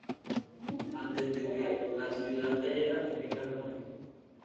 Antes de que la ciudad cayera, emigra a Jamaica.